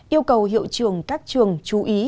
yêu cầu hiệu trường các trường chú ý